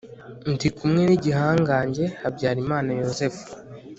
ndi kumwe n'igihangange habyarimana yozefu